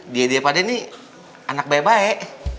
dia dia pada ini anak baik baik